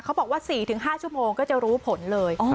เขาบอกว่า๔๕ชั่วโมงก็จะรู้ผลเลย